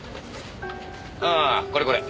ああこれこれ。